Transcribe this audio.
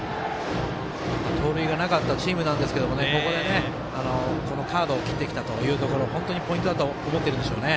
盗塁はなかったチームなんですがここはこのカードを切ってきたところ本当にポイントだと思っているんでしょうね。